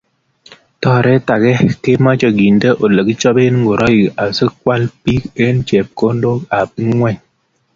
Toret ake komache kende olekichopee ngoroik asikwal bik eng chepkondok ab ing'weny